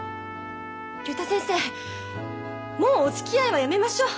竜太先生もうおつきあいはやめましょう。